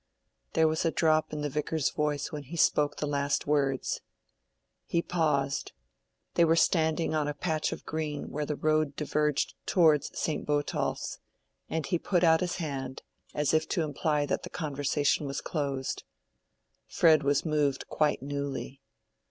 There was a drop in the Vicar's voice when he spoke the last words. He paused—they were standing on a patch of green where the road diverged towards St. Botolph's, and he put out his hand, as if to imply that the conversation was closed. Fred was moved quite newly.